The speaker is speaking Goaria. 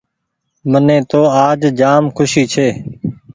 مني تو آج جآم کوسي ڇي۔